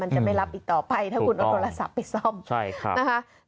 จะไม่รับอีกต่อไปถ้าคุณเอาโทรศัพท์ไปซ่อมนะคะ